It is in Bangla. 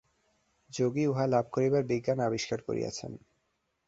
যোগী উহা লাভ করিবার বিজ্ঞান আবিষ্কার করিয়াছেন।